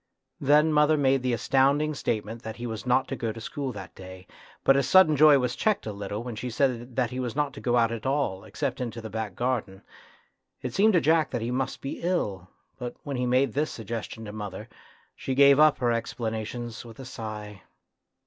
Then mother made the astounding statement that he was not to go to school that day, but his sudden joy was checked a little when she said he was not to go out at all, except into the back garden. It seemed to Jack that he must be ill, but when he made this suggestion to mother, she gave up her explanations with a sigh.